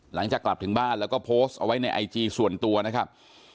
หลังจากกลับถึงบ้านแล้วก็โพสต์เอาไว้ในไอจีส่วนตัวนะครับ